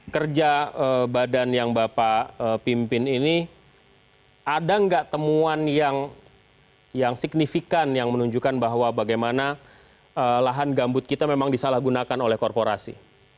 kerja badan yang bapak pimpin ini ada nggak temuan yang signifikan yang menunjukkan bahwa bagaimana lahan gambut kita memang disalahgunakan oleh korporasi